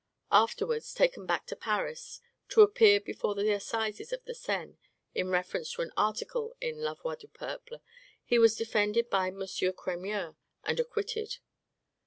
Afterwards taken back to Paris, to appear before the assizes of the Seine in reference to an article in "La Voix du Peuple," he was defended by M. Cremieux and acquitted.